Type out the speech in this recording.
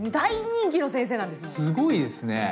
すごいですね。